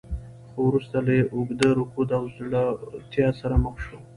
خو وروسته له اوږده رکود او ځوړتیا سره مخ شو.